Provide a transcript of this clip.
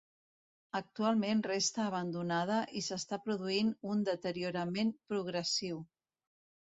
Actualment resta abandonada i s'està produint un deteriorament progressiu.